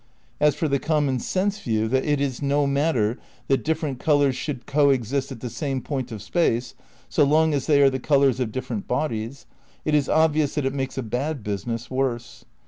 As for the common sense view that " it is no matter that differ ent colours should co exist at the same point of space, so long as they are the colours of different bodies," it is obvious that it makes a bad business worse.